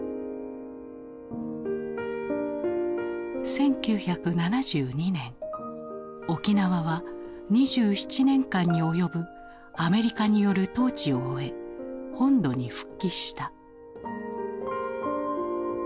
１９７２年沖縄は２７年間に及ぶアメリカによる統治を終え本土に復帰した。